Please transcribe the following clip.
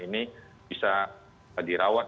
ini bisa dirawat